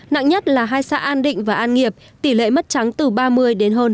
nặng nhất là hai xã an định và an nghiệp tỷ lệ mất trắng từ ba mươi đến hơn sáu mươi